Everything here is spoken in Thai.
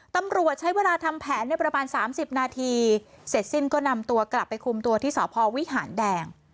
ตำรวจใช้เวลาทำแผนประมาณ๓๐นาทีเสร็จสิ้นก็นำตัวกลับไปคุมตัวที่สพวิหารแดง